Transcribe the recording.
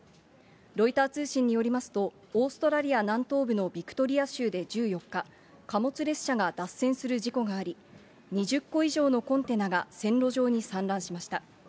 ロイター通信によりますと、オーストラリア南東部のビクトリア州で１４日、貨物列車が脱線する事故があり、２０個以上のコンテナが線路上に散乱しました。